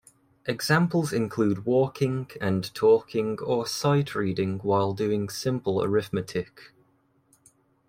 Examples include walking and talking or sight reading while doing simple arithmetic.